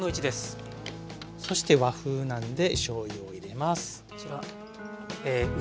そして和風なんでしょうゆを入れます。